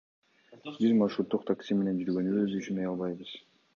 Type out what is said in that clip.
Биз маршруттук такси менен жүргөнүбүз үчүн уялбайбыз.